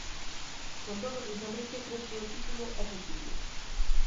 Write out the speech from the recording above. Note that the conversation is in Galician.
Con todo, Luís Enrique cre que o título é posible.